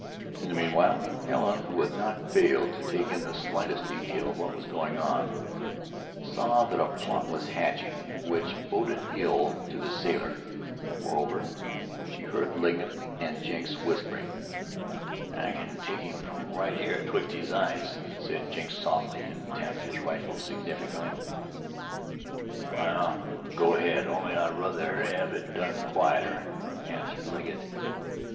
In the meanwhile Helen, who had not failed to take in the slightest detail of what was going on, saw that a plot was hatching which boded ill to the sailor. Moreover, she heard Legget and Jenks whispering. "I kin take him from right here 'atwixt his eyes," said Jenks softly, and tapped his rifle significantly. "Wal, go ahead, only I ruther hev it done quieter," answered Legget.